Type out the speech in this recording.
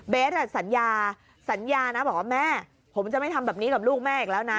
สัญญาสัญญานะบอกว่าแม่ผมจะไม่ทำแบบนี้กับลูกแม่อีกแล้วนะ